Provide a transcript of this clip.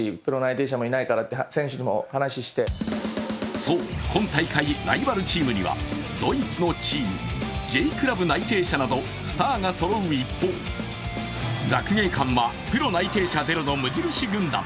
そう、今大会ライバルチームにはドイツのチームやＪクラブ内定者などスターがそろう一方、学芸館はプロ内定者ゼロの無印軍団。